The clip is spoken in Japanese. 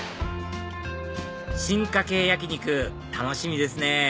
進化系焼き肉楽しみですね